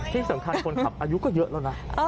ที่สำคัญคนขับอายุก็เยอะแล้วนะ